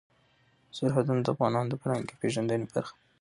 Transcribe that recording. سرحدونه د افغانانو د فرهنګي پیژندنې برخه ده.